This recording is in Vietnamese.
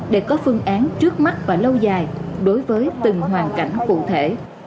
để có phương án trước mắt và lâu dài đối với từng hoàn cảnh cụ thể